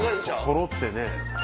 そろってね。